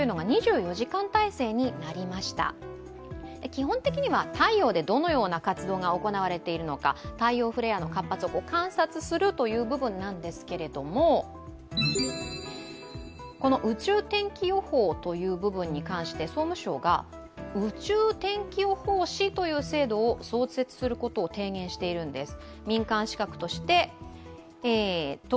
基本的には太陽でどのような活動が行われているのか、太陽フレアの活発を観察するということなんですけれどもこの宇宙天気予報という部分に関して総務省が宇宙天気予報士という制度を創設することを提言しているんです。